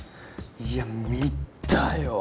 いや見たよ。